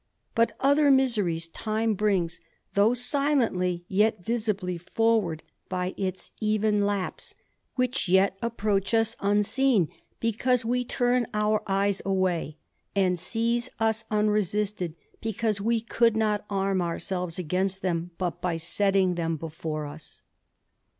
But other miseries time brings, though sflently yet visibly, forward by its even lapse, which yet approach us unseen because we turn our eyes away, and ^^ us unresisted because we could not arm ourselves gainst them but by setting them before us.